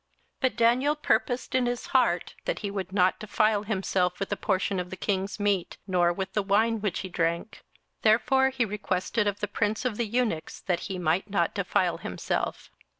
27:001:008 But Daniel purposed in his heart that he would not defile himself with the portion of the king's meat, nor with the wine which he drank: therefore he requested of the prince of the eunuchs that he might not defile himself.